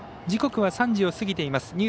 時刻は３時を過ぎています。